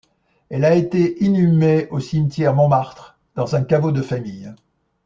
Elle a été inhumée au cimetière Montmartre, dans un caveau de famille.